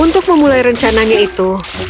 untuk memulai rencananya itu